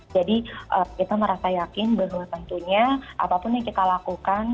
jadi kita merasa yakin benar benar tentunya apapun yang kita lakukan